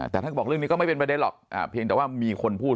แต่ท่านก็บอกเรื่องนี้ก็ไม่เป็นประเด็นหรอกเพียงแต่ว่ามีคนพูด